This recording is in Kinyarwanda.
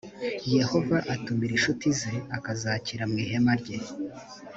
yehova atumira inshuti ze akazakira mu ihema rye